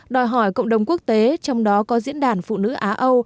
đòi hỏi cộng đồng quốc tế trong đó có diễn đàn phụ nữ á âu